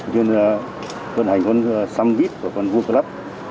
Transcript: đối tượng vận hành con samvit và con world club